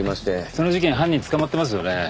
その事件犯人捕まってますよね？